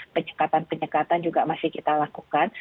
penyekatan penyekatan juga masih kita lakukan